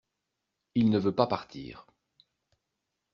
Il ne veut pas partir.